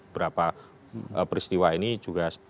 berapa peristiwa ini juga